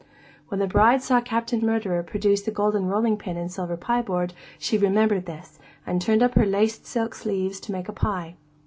When the bride saw Captain Murderer produce the golden rolling pin and silver pie board, she remembered this, and turned up her laced silk sleeves to make a pie.